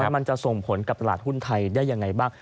มันจะส่งผลกับตลาดหุ้นไทยได้ยังไงบ้าง